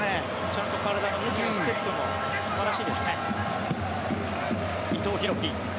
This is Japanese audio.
ちゃんと体の向きもステップも素晴らしいですね。